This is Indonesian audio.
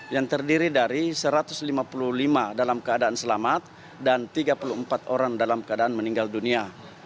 yang terdiri dari satu ratus lima puluh lima dalam keadaan selamat dan tiga puluh empat orang dalam keadaan meninggal dunia